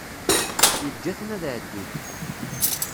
Yeǧǧa-ten ad ɛeddin.